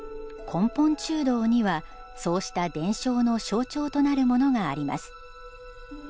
根本中堂には、そうした伝承の象徴となるものがあります。